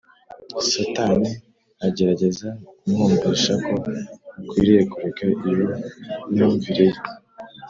. Satani agerageza kumwumvisha ko akwiriye kureka iyo myumvire ye.